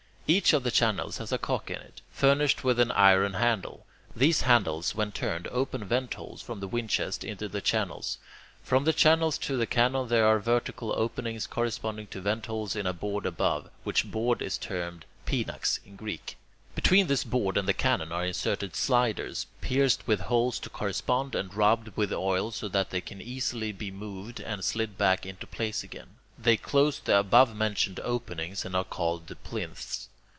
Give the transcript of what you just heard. Each of the channels has a cock in it, furnished with an iron handle. These handles, when turned, open ventholes from the windchest into the channels. From the channels to the canon there are vertical openings corresponding to ventholes in a board above, which board is termed [Greek: pinax] in Greek. Between this board and the canon are inserted sliders, pierced with holes to correspond, and rubbed with oil so that they can be easily moved and slid back into place again. They close the above mentioned openings, and are called the plinths.